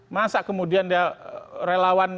masa kemudian dia relawan